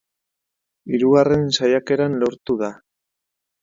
Hirugarren saiakeran lortu da.